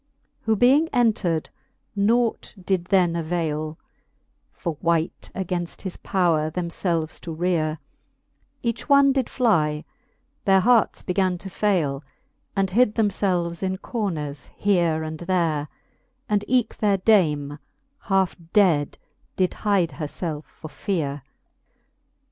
Who being entred, nought did then availe For wight, againft his powre them ielv^es to reare : Each one did flie j their hearts began to faile, And hid them felves in corners here and there ; And eke their dame halfe dead did hide her felf for feare.